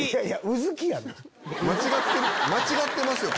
間違ってますよ